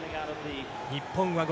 日本は５